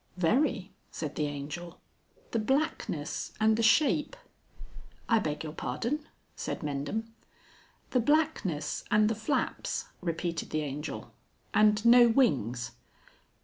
"Very," said the Angel. "The blackness and the shape." "I beg your pardon?" said Mendham. "The blackness and the flaps," repeated the Angel; "and no wings."